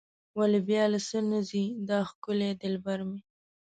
ولې بیا له څه نه ځي دا ښکلی دلبر مې.